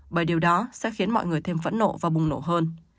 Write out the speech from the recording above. bởi điều đó sẽ khiến mọi người thêm phẫn nộ và bùng nổ hơn